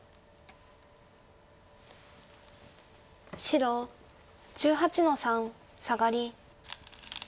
白１８の三サガリ。